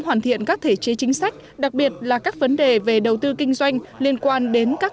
hoàn thiện các thể chế chính sách đặc biệt là các vấn đề về đầu tư kinh doanh liên quan đến các